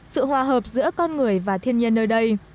sự hòa hợp giữa con người và thiên nhiên nơi đây